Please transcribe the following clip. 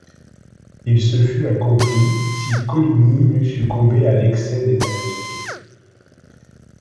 Il se fût accompli, si Coligny n'eût succombé à l'excès des fatigues.